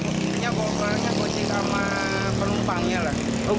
ojek korbannya ojek sama penumpangnya lah